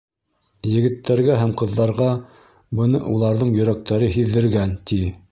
Егеттәргә һәм ҡыҙҙарға быны уларҙың йөрәктәре һиҙҙергән, ти.